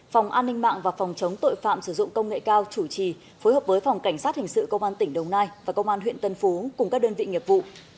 phòng an ninh mạng và phòng chống tội phạm sử dụng công nghệ cao chủ trì phối hợp với phòng cảnh sát hình sự công an tỉnh đồng nai và công an huyện tân phú cùng các đơn vị nghiệp vụ